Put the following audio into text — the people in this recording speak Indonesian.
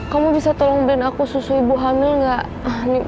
kamu bisa tolong brand aku susu ibu hamil gak